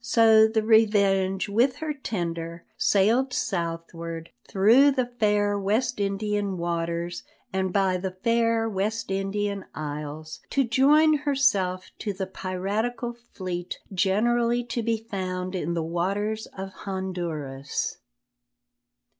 So the Revenge, with her tender, sailed southward, through the fair West Indian waters and by the fair West Indian isles, to join herself to the piratical fleet generally to be found in the waters of Honduras.